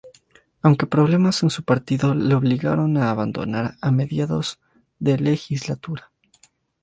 Aunque problemas en su partido le obligaron a abandonar a mediados de legislatura.